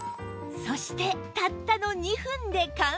そしてたったの２分で完成！